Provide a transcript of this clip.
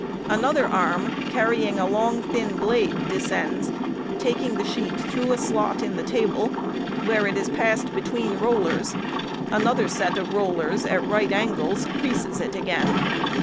Another arm carrying a long thin blade descends, taking the sheet through a slot in the table, where it is passed between rollers; another set of rollers at right angles creases it again.